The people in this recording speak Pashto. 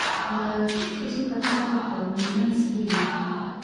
د ښځو کتار به په منځ کې وي.